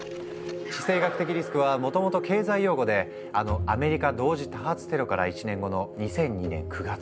「地政学的リスク」はもともと経済用語であのアメリカ同時多発テロから１年後の２００２年９月。